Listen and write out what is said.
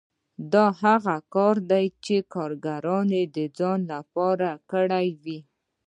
دا هغه کار دی چې کارګر د ځان لپاره کړی وي